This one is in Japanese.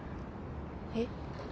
えっ？